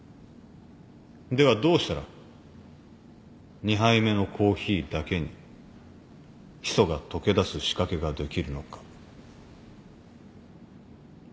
ではどうしたら２杯目のコーヒーだけにヒ素が溶けだす仕掛けができるのか？